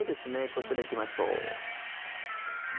こちら行きましょう。